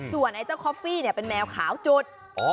ส่วนไอ้เจ้าคอฟฟี่เป็นแมวขาวจุด